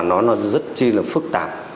nó rất là phức tạp